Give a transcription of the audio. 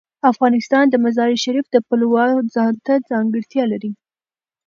افغانستان د مزارشریف د پلوه ځانته ځانګړتیا لري.